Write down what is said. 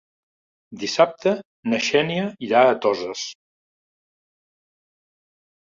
Dissabte na Xènia irà a Toses.